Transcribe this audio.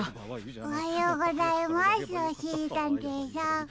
おはようございますおしりたんていさん。